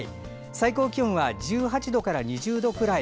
最高気温は１８度から２０度くらい。